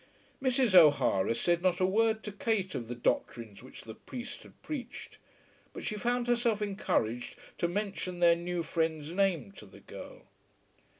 Mrs. O'Hara said not a word to Kate of the doctrines which the priest had preached, but she found herself encouraged to mention their new friend's name to the girl.